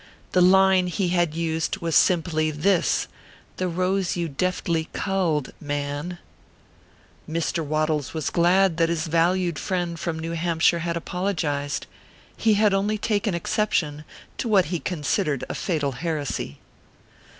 The line he had used was simply this :" The rose you deftly cull ed, man" Mr. WADDLES was glad that his valued friend from New Hampshire had apologized. He had only taken exception to what he considered a fatal heresy.